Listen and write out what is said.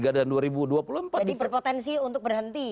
jadi berpotensi untuk berhenti